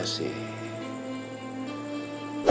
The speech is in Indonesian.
habis kamu juga sih